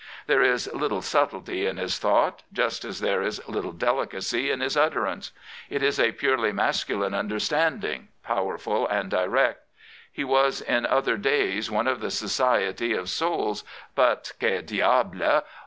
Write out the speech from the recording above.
There is little subtlety in his thought, just as there is little delicacy in his utterance. It is a purely masculine understanding, powerful and direct. He was in other days one of the society of " Souls ; but — Que diahle